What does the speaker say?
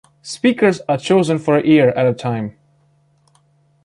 Speakers are chosen for a year at a time.